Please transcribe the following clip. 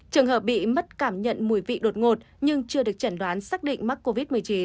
trường hợp bị mất cảm nhận mùi vị đột ngột nhưng chưa được chẩn đoán xác định mắc covid một mươi chín